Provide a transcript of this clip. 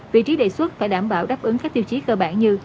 vị trí đề xuất phải đảm bảo đáp ứng các tiêu chí cơ bản như